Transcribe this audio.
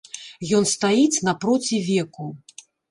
Ён стаіць напроці веку.